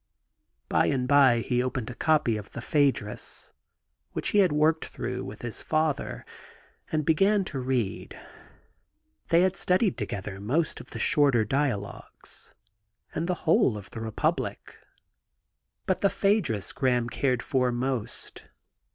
By and by he opened a copy of the Phuedrus^ which he had worked through with his father, and began to read. They had studied together most of the shorter dialogues, and the whole of the Reptiblic^ but the P/iaedrus Graham cared for most.